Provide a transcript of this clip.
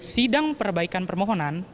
sidang perbaikan permohonan